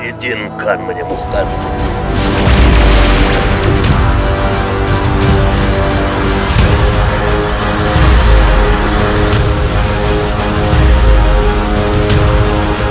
ijinkan menyembuhkan tutup